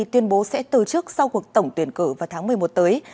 tuyên bố sẽ từ chức sau cuộc tổng tuyển cử vào tháng một mươi một tới